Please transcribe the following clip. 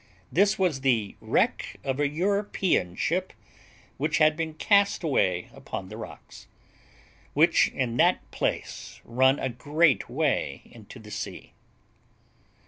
This was the wreck of an European ship, which had been cast away upon the rocks, which in that place run a great way into the sea.